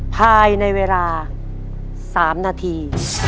ภายในเวลา๓นาที